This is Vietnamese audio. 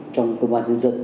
trong công an nhân dân